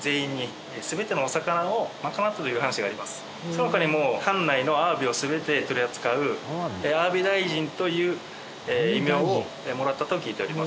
その他にも藩内の鮑を全て取り扱う「鮑大臣」という異名をもらったと聞いております。